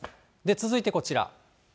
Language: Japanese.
続いて、こちら。